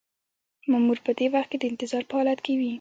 مامور په دې وخت کې د انتظار په حالت کې وي.